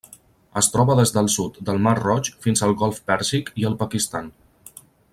Es troba des del sud del Mar Roig fins al Golf Pèrsic i el Pakistan.